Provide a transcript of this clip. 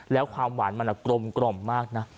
แล้วความหวานมันกลมมากนะ